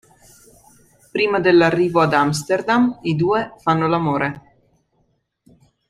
Prima dell'arrivo ad Amsterdam, i due fanno l'amore.